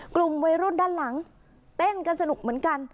กลุ่มวัยรุ่นด้านหลังเต้นกันสนุกเหมือนกัน